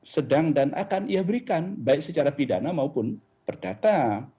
sedang dan akan ia berikan baik secara pidana maupun perdata